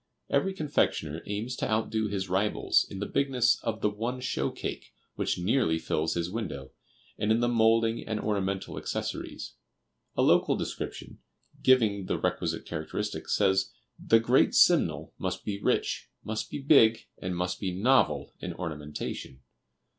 Every confectioner aims to outdo his rivals in the bigness of the one show cake which nearly fills his window, and in the moulding and ornamental accessories. A local description, giving the requisite characteristics, says: "The great Simnel must be rich, must be big, and must be novel in ornamentation."